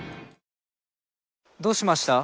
どうしました？